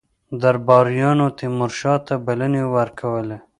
درباریانو تیمورشاه ته بلنې ورکولې.